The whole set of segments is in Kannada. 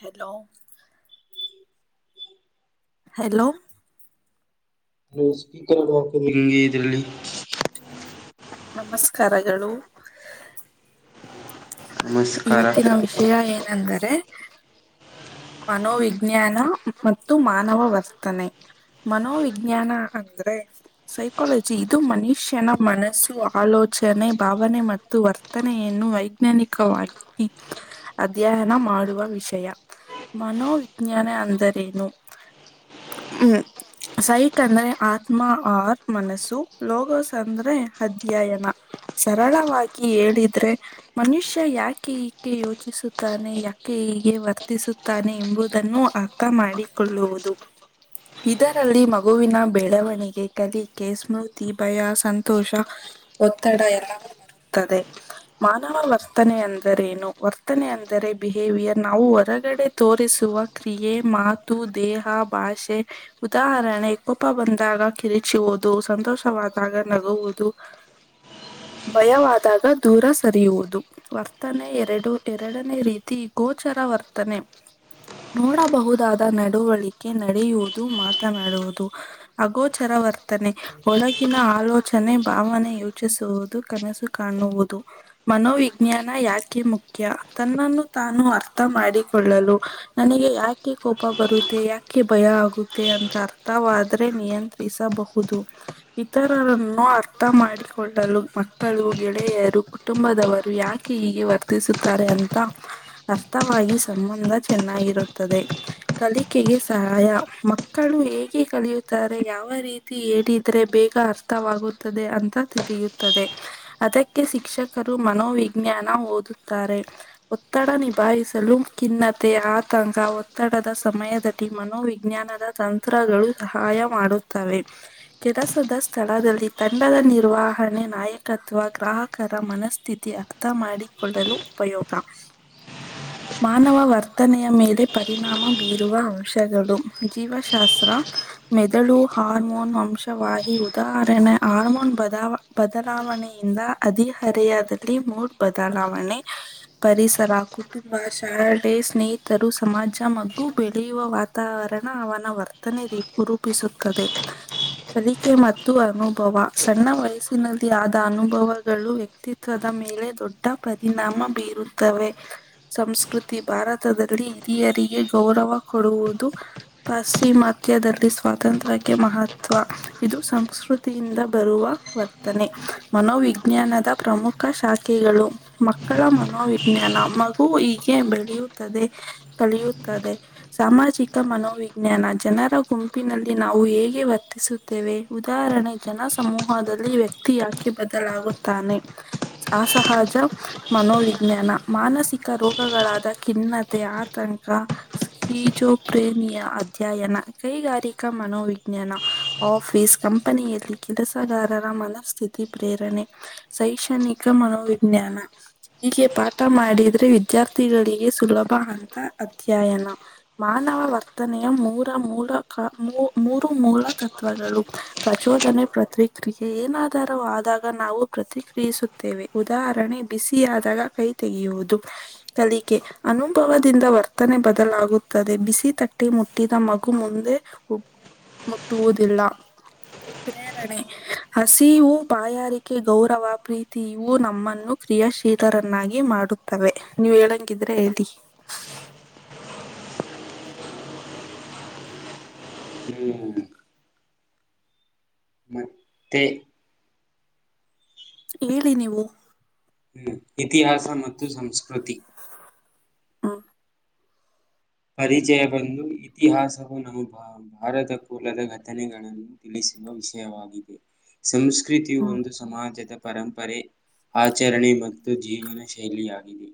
ಹಲೋ. ಹಲೋ. ಸ್ಪೀಕರ್ ಹಾಕದೆ ಹಂಗೆ ಇದ್ರಲ್ಲಿ. ನಮಸ್ಕಾರಗಳು. ನಮಸ್ಕಾರ ಇವತ್ತಿನ ವಿಷಯ ಏನೆಂದರೆ. ಮನೋವಿಜ್ಞಾನ ಮತ್ತು ಮಾನವ ವರ್ತನೆ ಮನೋವಿಜ್ಞಾನ ಅಂದ್ರೆ ಸೈಕಾಲಜಿ ಇದು ಮನುಷ್ಯನ ಮನಸ್ಸು ಆಲೋಚನೆ ಭಾವನೆ ಮತ್ತು ವರ್ತನೆಯನ್ನು ವೈಜ್ಞಾನಿಕವಾಗಿ ಅಧ್ಯಯನ ಮಾಡುವ ವಿಷಯ. ಮನೋವಿಜ್ಞಾನ ಅಂದರೇನು ಹ್ಮ ಸೈಟ್ ಅಂದ್ರೆ ಆತ್ಮ ಆರ್ ಮನಸ್ಸು ಲೋಗೋಸ್ ಅಂದ್ರೆ ಅಧ್ಯಯನ ಸರಳವಾಗಿ ಹೇಳಿದ್ರೆ ಮನುಷ್ಯ ಯಾಕೆ ಈಕೆ ಯೋಚಿಸುತ್ತಾನೆ ಯಾಕೆ ಹೀಗೆ ವರ್ತಿಸ. ಎಂಬುದನ್ನು ಅರ್ಥ ಮಾಡಿಕೊಳ್ಳುವುದು ಇದರಲ್ಲಿ ಮಗುವಿನ ಬೆಳವಣಿಗೆ ಕಲಿಕೆ ಸ್ಮೃತಿ ಭಯ ಸಂತೋಷ ಒತ್ತಡ ಎಲ್ಲವೂ ಮಾಡುತ್ತದೆ ಮಾನವ ವರ್ತನೆ ಅಂದರೇನು ವರ್ತನೆ ಅಂದರೆ ಬಿಹೇವಿಯರ್ ನಾವು ಹೊರಗಡೆ. ತೋರಿಸುವ ಕ್ರಿಯೆ ಮಾತು ದೇಹ ಭಾಷೆ ಉದಾಹರಣೆ ಕೋಪ ಬಂದಾಗ ಕಿರಿಚುವುದು ಸಂತೋಷವಾದಾಗ ನಗುವುದು ಭಯವಾದಾಗ ದೂರ ಸರಿಯುವುದು ವರ್ತನೆ ಎರಡು ಎರಡನೇ ರೀತಿ ಗೋಚರ ವರ್ತನೆ. ನೋಡಬಹುದಾದ ನಡವಳಿಕೆ ನಡೆಯುವುದು ಮಾತನಾಡುವುದು ಅಗೋಚರ ವರ್ತನೆ ಒಳಗಿನ ಆಲೋಚನೆ ಭಾವನೆ ಯೋಚಿಸುವುದು ಕನಸು ಕಾಣುವುದು ಮನೋವಿಜ್ಞಾನ ಯಾಕೆ ಮುಖ್ಯ ತನ್ನನ್ನು ತಾನು ಅರ್ಥ ಮಾಡಿ. ಕೊಳ್ಳಲು ನನಗೆ ಯಾಕೆ ಕೋಪ ಬರುತ್ತೆ ಯಾಕೆ ಭಯ ಆಗುತ್ತೆ ಅಂತ ಅರ್ಥವಾದ್ರೆ ನಿಯಂತ್ರಿಸಬಹುದು ಇತರರನ್ನು ಅರ್ಥ ಮಾಡಿಕೊಳ್ಳಲು ಮಕ್ಕಳು ಗೆಳೆಯರು ಕುಟುಂಬದವರು ಯಾಕೆ ಹೀಗೆ ವರ್ತಿಸುತ್ತಾರೆ ಅಂತ ಅರ್ಥವಾಗಿ. ಸಂಬಂಧ ಚೆನ್ನಾಗಿರುತ್ತದೆ. ಕಲಿಕೆಗೆ ಸಹಾಯ ಮಕ್ಕಳು ಹೇಗೆ ಕಲಿಯುತ್ತಾರೆ ಯಾವ ರೀತಿ ಹೇಳಿದ್ರೆ ಬೇಗ ಅರ್ಥವಾಗುತ್ತದೆ ಅಂತ ತಿಳಿಯುತ್ತದೆ ಅದಕ್ಕೆ ಶಿಕ್ಷಕರು ಮನೋವಿಜ್ಞಾನ ಓದುತ್ತಾರೆ. ಒತ್ತಡ ನಿಭಾಯಿಸಲು ಖಿನ್ನತೆ ಆತಂಕ ಒತ್ತಡದ ಸಮಯದದಲ್ಲಿ ಮನೋವಿಜ್ಞಾನದ ತಂತ್ರಗಳು ಸಹಾಯ ಮಾಡುತ್ತವೆ ಕೆಲಸದ ಸ್ಥಳದಲ್ಲಿ ತಂಡದ ನಿರ್ವಹಣೆ ನಾಯಕತ್ವ ಗ್ರಾಹಕರ ಮನಸ್ಥಿತಿ ಅರ್ಥ ಮಾಡಿಕೊಳ್ಳಲು ಉಪಯೋಗ. ಮಾನವ ವರ್ತನೆಯ ಮೇಲೆ ಪರಿಣಾಮ ಬೀರುವ ಅಂಶಗಳು ಜೀವಶಾಸ್ತ್ರ ಮೆದುಳು ಹಾರ್ಮೋನ್ ವಂಶವಾಹಿ ಉದಾಹರಣೆ- ಹಾರ್ಮೋನ್ ಬದಲಾವಣೆಯಿಂದ ಅದಿಹರೆಯದಲ್ಲಿ ಮೂಡ್ ಬದಲಾವಣೆ ಪರಿಸರ ಕುಟುಂಬ ಕಡೆ ಸ್ನೇಹಿತರು ಸಮಾಜ ಮಗ್ಗು ಬೆಳೆಯುವ ವಾತಾವರಣ ಅವನ ವರ್ತನೆ ರೂಪಿಸುತ್ತದೆ. ಕಲಿಕೆ ಮತ್ತು ಅನುಭವ ಸಣ್ಣ ವಯಸ್ಸಿನಲ್ಲಿ ಆದ ಅನುಭವಗಳು ವ್ಯಕ್ತಿತ್ವದ ಮೇಲೆ ದೊಡ್ಡ ಪರಿಣಾಮ ಬೀರುತ್ತವೆ ಸಂಸ್ ಕೃತಿ ಭಾರತದಲ್ಲಿ ಹಿರಿಯರಿಗೆ ಗೌರವ ಕೊಡುವುದು. ಪಾಶ್ಚಿಮಾತ್ಯದಲ್ಲಿ ಸ್ವಾತಂತ್ರ್ಯಕ್ಕೆ ಮಹತ್ವ ಇದು ಸಂಸ್ಕೃತಿಯಿಂದ ಬರುವ ವರ್ತನೆ ಮನೋವಿಜ್ಞಾನದ ಪ್ರಮುಖ ಶಾಖೆಗಳು ಮಕ್ಕಳ ಮನೋವಿಜ್ಞಾನ ಮಗು ಈ ಬೆಳೆಯುತ್ತದೆ ಕಲಿಯುತ್ತದೆ. ಸಾಮಾಜಿಕ ಮನೋವಿಜ್ಞಾನ ಜನರ ಗುಂಪಿನಲ್ಲಿ ನಾವು ಹೇಗೆ ವರ್ತಿಸುತ್ತೇವೆ ಉದಾಹರಣೆ ಜನ ಸಮೂಹದಲ್ಲಿ ವ್ಯಕ್ತಿ ಯಾಕೆ ಬದಲಾಗುತ್ತಾನೆ. ಅಸಹಜ ಮನೋವಿಜ್ಞಾನ ಮಾನಸಿಕ ರೋಗ ಖಗಳಾದ ಖಿನ್ನತೆ ಆತಂಕ ಸಿ ಜೋಪ್ರೇನಿಯ ಅಧ್ಯಯನ ಕೈಗಾರಿಕಾ ಮನೋವಿಜ್ಞಾನ ಆಫೀಸ್ ಕಂಪನಿಯಲ್ಲಿ ಕೆಲಸಗಾರರ ಮನಸ್ಥಿತಿ ಪ್ರೇರಣೆ ಶೈಕ್ಷಣಿಕ ಮನೋವಿಜ್ಞಾನ ಹೀಗೆ ಪಾಠ ಮಾಡಿದ್ರೆ ವಿದ್ಯಾರ್ಥಿಗಳಿಗೆ ಸುಲಭ ಅಂತ ಅಧ್ಯಯನ ಮಾನವ ವರ್ತನೆಯ ಮೂರು ಮೂಲ ತತ್ವಗಳು ಪ್ರಚೋದನೆ ಪ್ರತಿಕ್ರಿಯೆ ಏನಾದರೂ ಆದಾಗ ನಾವು ಪ್ರತಿಕ್ರಿಯಿಸುತ್ತೇವೆ ಉದಾಹರಣೆ ಬಿಸಿಯಾದಾಗ ಕೈ ತೆಗೆಯುವುದು ಕಲಿಕೆ ಅನುಭವದಿಂದ ವರ್ತನೆ ಬದಲಾಗುತ್ತದೆ ಬಿಸಿ ತಟ್ಟಿ ಮುಟ್ಟಿದ ಮಗು ಮುಂದೆ ಮುಟ್ಟುವುದಿಲ್ಲ ಪ್ರೇರಣೆ ಹಸಿವು ಬಾಯಾರಿಕೆ ಗೌರವ ಪ್ರೀತಿ ಇವು ನಮ್ಮನ್ನು ಕ್ರಿಯಾಶೀಲರನ್ನಾಗಿ ಮಾಡುತ್ತವೆ ನೀವ್ ಹೇಳಂಗಿದ್ರೆ ಹೇಳಿ ಹ್ಮ್ ತೆ ಹೇಳಿ ನೀವು ಹ್ಮ್ ಇತಿಹಾಸ ಮತ್ತು ಸಂಸ್ಕೃತಿ ಹ ಪರಿಚಯ ಬಂದು ಇತಿಹಾಸವು ನಮ್ಮ ಬ ಭಾರತ ಮೂಲದ ಘಟನೆಗಳನ್ನು ತಿಳಿಸುವ ವಿಷಯವಾಗಿದೆ ಸಂಸ್ ಕೃತಿಯು ಹ್ಮ್ ಒಂದು ಸಮಾಜದ ಪರಂಪರೆ ಆಚರಣೆ ಮತ್ತು ಜೀವನ ಶೈಲಿಯಾಗಿದೆ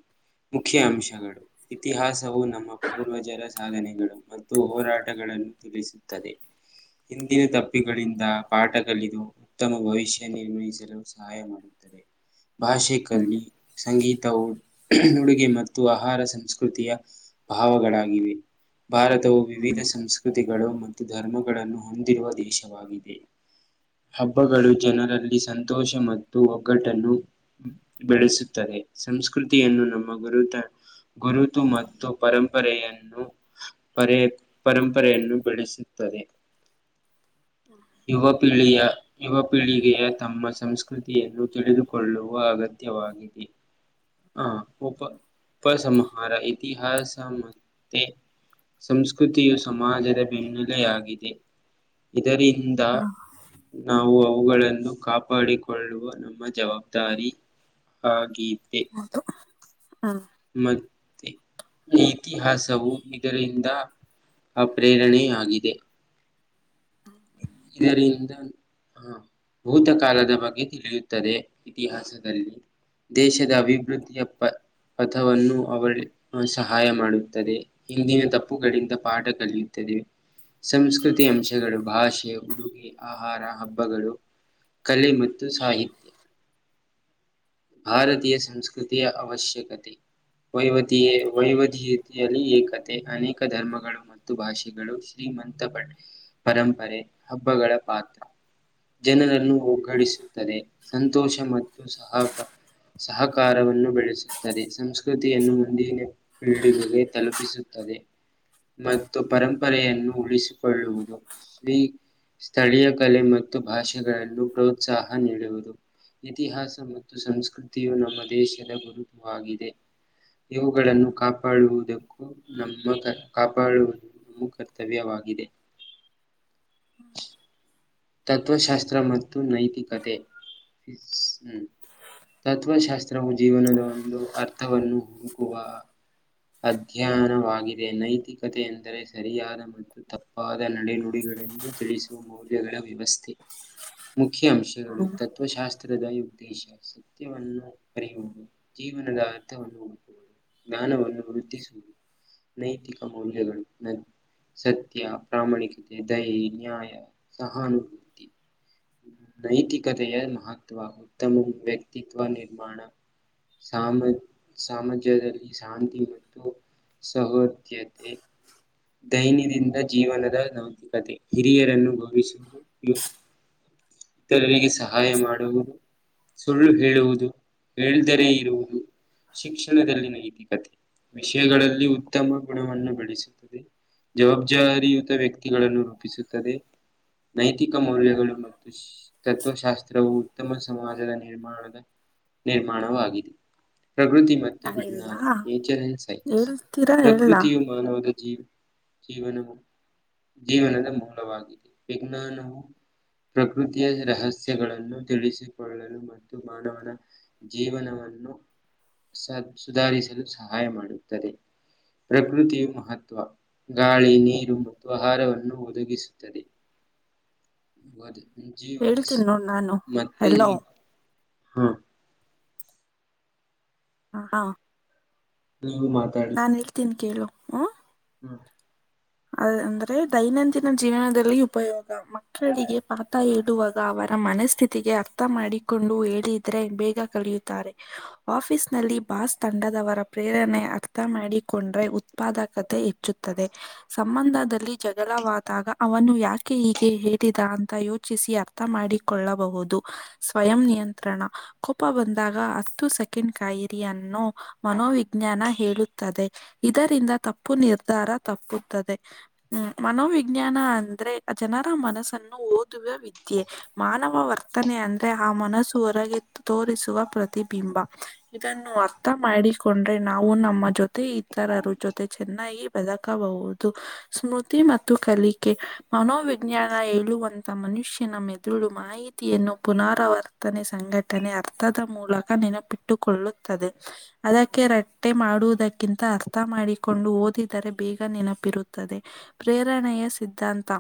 ಮುಖ್ಯ ಅಂಶಗಳು ಇತಿಹಾಸವು ನಮ್ಮ ಪೂರ್ವಜರ ಸಾಧನೆಗಳು ಮತ್ತು ಹೋರಾಟಗಳನ್ನು ತಿಳಿಸುತ್ತದೆ ಹಿಂದಿನ ತಪ್ಪಿಗಳಿಂದ ಪಾಠ ಕಲಿದು ಉತ್ತಮ ಭವಿಷ್ಯ ನಿರ್ವಹಿಸಲು ಸಹಾಯ ಮಾಡುತ್ತದೆ. ಭಾಷೆ ಹ್ಮ್ ಕಲೀ ಸಂಗೀತವು ಉಡುಗೆ ಮತ್ತು ಆಹಾರ ಸಂಸ್ಕೃತಿಯ ಭಾವಗಳಾಗಿವೆ ಭಾರತವು ವಿವಿಧ ಸಂಸ್ಕೃತಿ ಕೃತಿಗಳು ಮತ್ತು ಧರ್ಮಗಳನ್ನು ಹೊಂದಿರುವ ದೇಶವಾಗಿದೆ. ಹಬ್ಬಗಳು ಜನರಲ್ಲಿ ಸಂತೋಷ ಮತ್ತು ಒಗ್ಗಟ್ಟನ್ನು ಬೆಳೆಸುತ್ತದೆ ಸಂಸ್ಕೃತಿಯನ್ನು ನಮ್ಮ ಗುರುತು ಮತ್ತು ಪರಂಪರೆಯನ್ನು ಪರೆ ಪರಂಪರೆಯನ್ನು ಬೆಳೆಸುತ್ತದೆ ಯುುವ ಪೀಳಿ ಪಿಳಿಯ ಯುವ ಪೀಳಿಗೆಯ ತಮ್ಮ ಸಂಸ್ಕೃತಿಯನ್ನು ತಿಳಿದುಕೊಳ್ಳುವ ಅಗತ್ಯವಾಗಿದೆ ಆ ಉಪ- ಉಪಸಂಹಾರ ಇತಿಹಾಸ ಮತ್ತೆ ಸಂಸ್ಕೃತಿಯು ಸಮಾಜದ ಬೆನ್ನೆಲೆಯಾಗಿದೆ. ಇದರಿಂದ ಇಂದ ಹಾ ನಾವು ಅ ಅವುಗಳನ್ನು ಕಾಪಾಡಿಕೊಳ್ಳುವ ನಮ್ಮ ಜವಾಬ್ದಾರಿ ಆಗಿದೆ ಹೌದು ಹ ಮತ್ತೆ ಇತಿಹಾಸವು ಇದರಿಂದ ಅಪ್ರೇರಣೆಯಾಗಿದೆ ಇದರಿಂದ ಆ ಭೂತಕಾಲದ ಬಗ್ಗೆ ತಿಳಿಯುತ್ತದೆ ಇತಿಹಾಸದಲ್ಲಿ ದೇಶದ ಅಭಿವೃದ್ಧಿಯ ಪ ಪಥವನ್ನು ಅವಳ ಸಹಾಯ ಮಾಡುತ್ತದೆ ಹಿಂದಿನ ತಪ್ಪುಗಳಿಂದ ಪಾಠ ಕಲಿಯುತ್ತದೆ ಸಂಸ್ಕೃತಿ ಅಂಶಗಳು ಭಾಷೆ ಉಡುಗೆ ಆಹಾರ ಹಬ್ಬಗಳು ಕಲೆ ಮತ್ತು ಸಾಹಿತ್ಯ ಭಾರತೀಯ ಸಂಸ್ಕೃತಿಯ ಅವಶ್ಯಕತೆ ವೈವತೆ ವೈವಿಧ್ಯತೆಯಲ್ಲಿ ಏಕತೆ ಅನೇಕ ಧರ್ಮಗಳು ಮತ್ತು ಭಾಷೆಗಳು ಶ್ರೀಮಂತ ಪ ಪರಂಪರೆ ಹಬ್ಬಗಳ ಪಾತ್ರ ಜನರನ್ನು ಒಗ್ಗಡಿಸುತ್ತದೆ ಸಂತೋಷ ಮತ್ತು ಸಹಪ ಸಹಕಾರವನ್ನು ಬೆಳೆಸುತ್ತದೆ ಸಂಸ್ಕೃತಿಯನ್ನು ಮುಂದಿನ ಪೀಳಿಗೆಗೆ ತಲುಪಿಸುತ್ತದೆ ಮತ್ತು ಪರಂಪರೆಯನ್ನು ಉಳಿಸಿಕೊಳ್ಳುವುದು ಸ್ಥಿ ಸ್ಥಳೀಯ ಕಲೆ ಮತ್ತು ಭಾಷೆಗಳನ್ನು ಪ್ರೋತ್ಸಾಹ ನೀಡುವುದು ಇತಿಹಾಸ ಮತ್ತು ಮತ್ತು ಸಂಸ್ಕೃತಿಯು ನಮ್ಮ ದೇಶದ ಗುರುತುವಾಗಿದೆ ಇವುಗಳನ್ನು ಕಾಪಾಡುವುದಕ್ಕೂ ನಮ್ಮ ಕ ಕಾಪಾಡುವುದು ನಮ್ಮ ಕರ್ತವ್ಯವಾಗಿದೆ [inaudible] ತತ್ವಶಾಸ್ತ್ರ ಮ ತ್ತು ನೈತಿಕತೆ ಹ್ಮ್ ತತ್ತ್ವಶಾಸ್ತ್ರವು ಜೀವನದ ಒಂದು ಅರ್ಥವನ್ನು ಹುಡುಕುವ ಅಧ್ಯಯನವಾಗಿದೆ ನೈತಿಕತೆ ಎಂದರೆ ಸರಿಯಾದ ಮತ್ತು ತಪ್ಪಾದ ನಡೆನುಡಿಗಳನ್ನು ತಿಳಿಸುವ ಮೌಲ್ಯಗಳ ವ್ಯವಸ್ಥೆ ಮು ಮುಖ್ಯ ಅಂಶಗಳು ತತ್ವಶಾಸ್ತ್ರದಲ್ಲಿ ಉದ್ದೇಶ ಸತ್ಯವನ್ನು ಕರಿಯುವುದು ಜೀವನದ ಅರ್ಥವನ್ನು ಜ್ಞಾನವನ್ನು ವೃದ್ಧಿಸುವುದು ನೈತಿಕ ಮೌಲ್ಯಗಳು ಸತ್ಯ ಪ್ರಾಮಾಣಿಕತೆ ದಯೆ ನ್ಯಾಯ ಸಹಾನು ನೈತಿಕತೆಯ ಮಹತ್ವ ಉತ್ತಮ ವ್ಯಕ್ತಿತ್ವ ನಿರ್ಮಾಣ ಸಾಮ ಸಾಮಾಜದಲ್ಲಿ ಶಾಂತಿ ಮತ್ತು ಸೌಹೋದ್ಯತೆ ದೈನ್ಯದಿಂದ ಜೀವನದ ನೌತಿಕತೆ ಹಿರಿಯರನ್ನು ಗೌರವಿಸುವುದು ಯ ಇತರರಿಗೆ ಸಹಾಯ ಮಾಡುವ ಸುಳ್ಳು ಹೇಳುವುದು ಹೇಳಿದರೆ ಇರುವುದು ಶಿಕ್ಷಣದಲ್ಲಿ ನೈತಿಕತೆ ವಿಷಯಗಳಲ್ಲಿ ಉತ್ತಮ ಗುಣವನ್ನು ಬೆಳೆಸಿ ಜವಾಬ್ದಾರಿಯುತ ವ್ಯಕ್ತಿಗಳನ್ನು ರೂಪಿಸುತ್ತದೆ ನೈತಿಕ ಮೌಲ್ಯ ಮತ್ತು ತತ್ವಶಾಸ್ತ್ರವು ತ್ತಮ್ಮ ಸಮಾಜದ ನಿರ್ಮಾಣದ ನಿರ್ಮಾಣವೂ ಆಗಿದೆ ಪ್ರಕೃತಿ ಮತ್ತು ನಾನಿಲ್ಲ ವಿಜ್ಞಾನ ನೇಚರ್ ಅಂಡ್ ಸೈನ್ಸ್ ಹೇಳ್ತೀರಾ ಹೇಳ ಪ್ರಕೃತಿಯು ಮಾನವನ ಜೀವನ ಜೀವನದ ಮೂಲವಾಗಿದೆ ವಿಜ್ಞಾನವು ಪ್ರಕೃತಿಯ ರಹಸ್ಯಗಳನ್ನು ತಿಳಿಸಿಕೊಳ್ಳಲು ಮತ್ತು ಮಾನವನ ಜೀವನವನ್ನು ಸ ಸುಧಾರಿಸಲು ಸಹಾಯ ಮಾಡುತ್ತದೆ ಪ್ರಕೃತಿಯು ಮಹತ್ ಗಾಳಿ ನೀರು ಮತ್ತು ಆಹಾರವನ್ನು ಒದಗಿಸುತ್ತದೆ ಜಿೋಗಸ್ ಹೇಳ್ತೀನಿ ನೋಡ್ ನಾನು ಮತ್ತೆ ಹೆಲೋ ಹಾ ಹ ಹಾ ನೀವು ಮಾತಾಡಿ ಕಲೋ ಹಾಂ ಹ್ಮ ಅ ಅಂದ್ರೆ ದೈನಂದಿನ ಜೀವನದಲ್ಲಿ ಉಪಯೋಗ ಮಕ್ಕಳಿಗೆ ಪಾಠ ಹೇಳುವಾಗ ಅವರ ಮನಸ್ಥಿತಿಗೆ ಅರ್ಥ ಮಾಡಿಕೊಂಡು ಹೇಳಿದ್ರೆ ಬೇಗ ಕಳಿಯುತ್ತಾರೆ ಆಫೀಸ್ ನಲ್ಲಿ ಬಾಸ್ ತಂಡದವರ ಪ್ರೇರಣೆ ಅರ್ಥ ಮಾಡಿಕೊಂಡ್ರೆ ಉತ್ಪಾದಕತೆ ಹೆಚ್ಚುತ್ತದೆ ಸಂಬಂಧದಲ್ಲಿ ಜಗಳವಾದಾಗ ಅವನು ಯಾಕೆ ಹೀಗೆ ಹೇಳಿದ ಅಂತ ಯೋಚಿಸಿ ಅರ್ಥ ಮಾಡಿಕೊಳ್ಳಬಹುದು ಸ್ವಯಂ ನಿಯಂತ್ರಣ ಕೋಪ ಬಂದಾಗ ಹತ್ತು ಸೆಕೆಂಡ್ ಕಾಯಿರಿಯನ್ನು ಮನೋವಿಜ್ಞಾನ ಹೇಳುತ್ತದೆ ಇದರಿಂದ ತಪ್ಪು ನಿರ್ಧಾರ ತಪ್ಪು ್ಮ ಮನೋವಿಜ್ಞಾನ ಅಂದ್ರೆ ಜನರ ಮನಸ್ಸನ್ನು ಓದುವ ವಿದ್ಯೆ ಮಾನವ ವರ್ತನೆ ಅಂದ್ರೆ ಆ ಮನಸ್ಸು ಹೊರಗೆ ತೋರಿಸುವ ಪ್ರತಿಬಿಂಬ ಇದನ್ನು ಅರ್ಥ ಮಾಡಿಕೊಂಡ್ರೆ ನಾವು ನಮ್ಮ ಜೊತೆ ಇತರರು ಜೊತೆ ಚೆನ್ನಾಗಿ ಬದುಕಬಹುದು ಸ್ಮೃತಿ ಮತ್ತು ಕಲಿಕೆ ಮನೋವಿಜ್ಞಾನ ಹೇಳುವಂತ ಮನುಷ್ಯನ ಮೆದುಳು ಮಾಹಿತಿಯನ್ನು ಪುನರಾವರ್ತನೆ ಸಂಘಟನೆ ಅರ್ಥದ ಮೂಲಕ ನೆನಪಿಟ್ಟುಕೊಳ್ಳುತ್ತದೆ ಅದಕ್ಕೆ ರಟ್ಟೆ ಮಾಡುವುದಕ್ಕಿಂತ ಅರ್ಥ ಮಾಡಿಕೊಂಡು ಓದಿದರೆ ಬೇಗ ನೆನಪು ಇರುತ್ತದೆ ಪ್ರೇರಣೆಯ ಸಿದ್ಧಾಂತ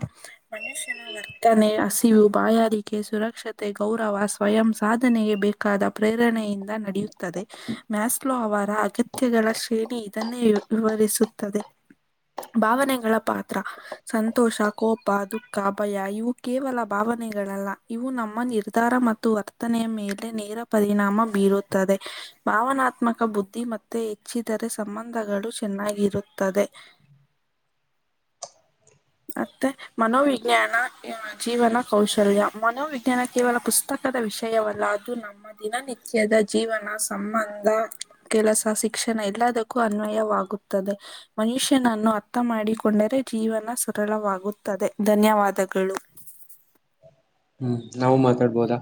ಮನುಷ್ಯನ ವರ್ತನೆ ಹಸಿವುು ಬಾಯಾರಿಕೆ ಸುರಕ್ಷತೆ ಗೌರವ ಸ್ವಯಂ ಸಾಧನೆಗೆ ಬೇಕಾದ ಪ್ರೇರಣೆಯಿಂದ ನಡೆಯುತ್ತದೆ ಮ್ಯಾಸ್ಲೋ ಅವರ ಅಗತ್ಯಗಳ ಶ್ರೇಣಿ ಇದನ್ನೇ ವಿವರಿಸುತ್ತದೆ ಭಾವನೆಗಳ ಪಾತ್ರ ಸಂತೋಷ ಕೋಪ ದುಃಖ ಭಯ ಇವು ಕೇವಲ ಭಾವನೆಗಳಲ್ಲ ಇವು ನಮ್ಮ ನಿರ್ಧಾರ ಮತ್ತು ವರ್ತನೆಯ ಮೇಲೆ ನೇರ ಪರಿಣಾಮ ಬೀರುತ್ತದೆ ಭಾವನಾತ್ಮಕ ಬುದ್ಧಿ ಮತ್ತೆ ಹೆಚ್ಚಿದರೆ ಸಂಬಂಧಗಳು ಚೆನ್ನಾಗಿರುತ್ತದೆ ಮತ್ತೆ ಮನೋವಿಜ್ಞಾನ ಜೀವನ ಕೌಶಲ್ಯ ಮನೋವಿಜ್ಞಾನ ಕೇವಲ ಪುಸ್ತಕದ ವಿಷಯವಲ್ಲ ಅದು ನಮ್ಮ ದಿನನಿತ್ಯದ ಜೀವನ ಸಂಬಂಧ ಕೆಲಸ ಶಿಕ್ಷಣ ಎಲ್ಲದಕ್ಕೂ ಅನ್ವಯವಾಗುತ್ತದೆ ಮನುಷ್ಯನನ್ನು ಅರ್ಥ ಮಾಡಿಕೊಂಡರೆ ಜೀವನ ಸ ಸರಳವಾಗುತ್ತದೆ ಧನ್ಯವಾದಗಳು ಹ್ಮ ನಾವು ಮಾತಾಡ್ಬೋದಾ